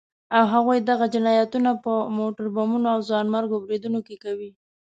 او هغوی دغه جنايتونه په موټر بمونو او ځانمرګو بريدونو کې کوي.